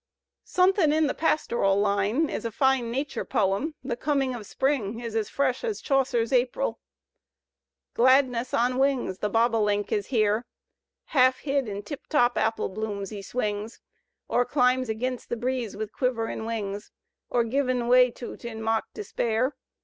"Sunthin' in the Pastoral Line" is a fine nature poem; the coniing of spring is as fresh as Chaucer's April Gladness on wings, the bobolink, is here; Half hid in tip top apple blooms he swings. Or climbs aginst the breeze with quiverin' wings. Or givin' way to 't in a mock despair.